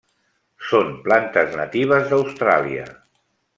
Són plantes natives d'Austràlia.